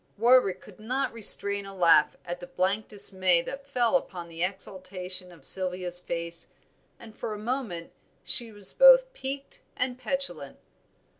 Warwick could not restrain a laugh at the blank dismay that fell upon the exultation of Sylvia's face, and for a moment she was both piqued and petulant.